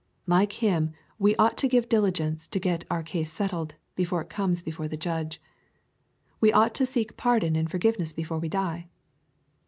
— Like him, we ought to give diligence to get our case settled, before it comes before the Judge. We ought to seek pardon and forgiveness before we die.